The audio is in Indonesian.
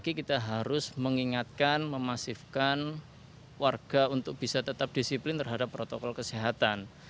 jadi kita harus mengingatkan memasifkan warga untuk bisa tetap disiplin terhadap protokol kesehatan